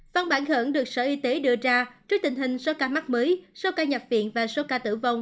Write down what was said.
văn bản khẩn được sở y tế đưa ra trước tình hình số ca mắc mới số ca nhập viện và số ca tử vong